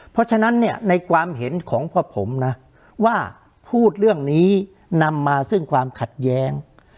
เพราะฉะนั้นเนี่ยในความเห็นของพ่อผมนะว่าพูดเรื่องนี้นำมาซึ่งความขัดแย้ง